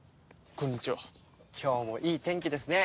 今日もいい天気ですね。